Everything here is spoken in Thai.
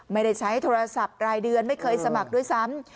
ไม่ได้ใช้โทรศัพท์รายเดือนไม่เคยสมัครด้วยซ้ำ